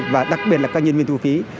và đặc biệt là các nhân viên thu phí